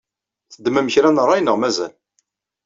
Teddmem kra n ṛṛay neɣ mazal?